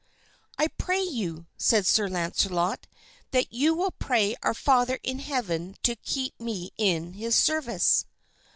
"I pray you," said Sir Launcelot, "that you will pray our Father in heaven to keep me in his service."